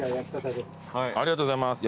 ありがとうございます。